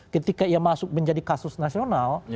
ketika ia masuk menjadi kasus nasional